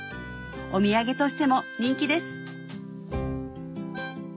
お土産としても人気です